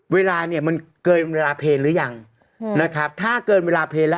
เวลาเนี่ยมันเกินเวลาเพลงหรือยังนะครับถ้าเกินเวลาเพลงแล้ว